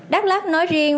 đắk lắk nói riêng